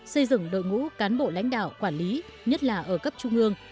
xây dựng đội ngũ cán bộ lãnh đạo quản lý nhất là ở cấp trung ương